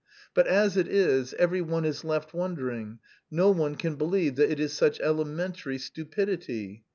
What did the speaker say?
But as it is, every one is left wondering: no one can believe that it is such elementary stupidity.